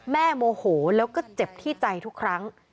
โมโหแล้วก็เจ็บที่ใจทุกครั้ง